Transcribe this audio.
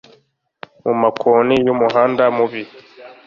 mumakoni y' umuhanda mubi